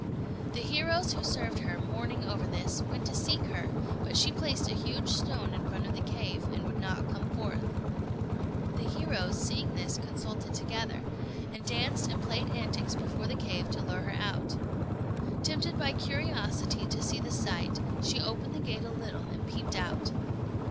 The heroes who served her, mourning over this, went to seek her; but she placed a huge stone in front of the cave, and would not come forth. The heroes, seeing this, consulted together, and danced and played antics before the cave to lure her out. Tempted by curiosity to see the sight, she opened the gate a little and peeped out.